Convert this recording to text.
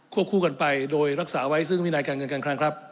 คู่กันไปโดยรักษาไว้ซึ่งวินัยการเงินการคลังครับ